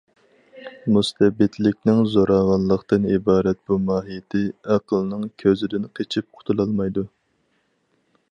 مۇستەبىتلىكنىڭ زوراۋانلىقتىن ئىبارەت بۇ ماھىيىتى ئەقىلنىڭ كۆزىدىن قېچىپ قۇتۇلالمايدۇ.